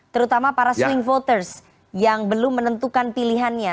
terutama para swing voters yang belum menentukan pilihannya